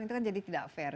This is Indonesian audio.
itu kan jadi tidak fair